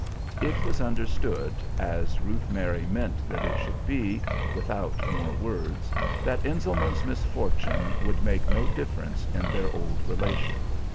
It was understood, as Ruth Mary meant that it should be, without more words, that Enselman's misfortune would make no difference in their old relation.